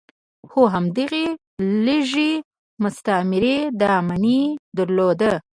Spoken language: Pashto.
خو همدغې لږې مستمرۍ دا معنی درلوده.